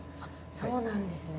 そうなんですね。